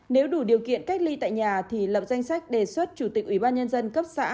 nếu đủ điều kiện cách ly tại nhà thì lập danh sách đề xuất chủ tịch ủy ban nhân dân cấp xã